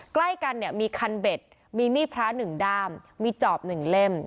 ใกล้กันเนี่ยมีคันเบ็ดมีมีดพระ๑ด้ามมีจอบ๑เล่ม